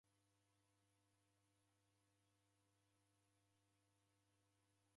Kwaki kusekunde kumanya?